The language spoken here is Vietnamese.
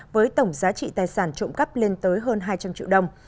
với tổng giá trị tài sản trộm cắp lên tới hơn hai trăm linh triệu đồng